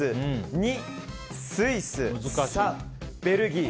２、スイス３、ベルギー。